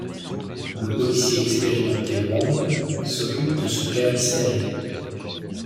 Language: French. Le policier expérimenté Wong s'occupe de ce cas mystérieux.